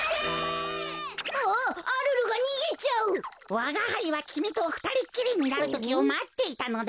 わがはいはきみとふたりっきりになるときをまっていたのだ。